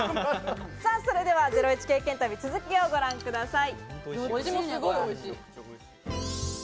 それでは『ゼロイチ』経験旅続きをご覧ください。